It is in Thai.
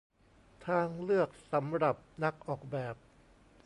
ทางเลือกสำหรับนักออกแบบ